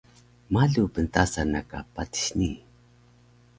malu pntasan na ka patis nii